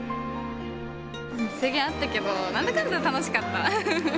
制限あったけど、なんだかんだ楽しかった。